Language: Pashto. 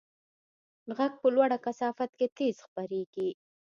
غږ په لوړه کثافت کې تېز خپرېږي.